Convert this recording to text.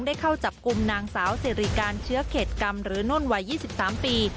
ได้เข้าจับกลุ่มนางสาวสิริการเชื้อเขตกรรมหรือนุ่นวัย๒๓ปี